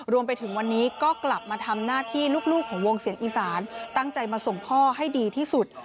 รวมไปถึงวันนี้ก็กลับมาทำหน้าที่ลูกของวงเสียงอีสานตั้งใจมาส่งพ่อให้ดีที่สุด